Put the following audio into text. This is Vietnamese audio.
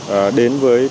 và những người nước ngoài